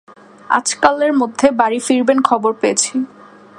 আজকালের মধ্যে বাড়ি ফিরবেন খবর পেয়েছি।